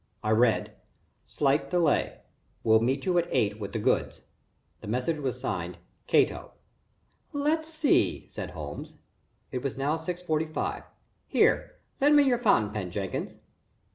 I read: "Slight delay. Will meet you at eight with the goods." The message was signed: "Cato." "Let's see," said Holmes. It is now six forty five. Here lend me your fountain pen, Jenkins.